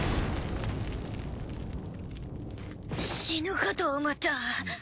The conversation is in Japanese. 死ぬかと思った。